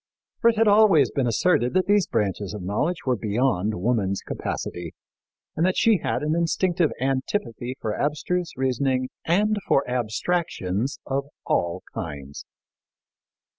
For it had always been asserted that these branches of knowledge were beyond woman's capacity and that she had an instinctive antipathy for abstruse reasoning and for abstractions of all kinds.